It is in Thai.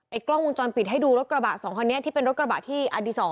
กล้องวงจรปิดให้ดูรถกระบะ๒คันนี้ที่เป็นรถกระบะที่อันดี๒